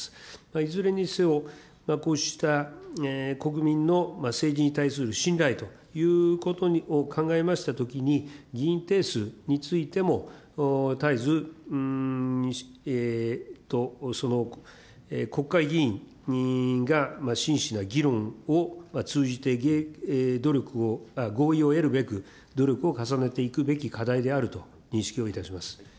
いずれにせよ、こうした国民の政治に対する信頼ということを考えましたときに、議員定数についても、絶えず国会議員が真摯な議論を通じて、合意を得るべく、努力を重ねていくべき課題であると認識をいたします。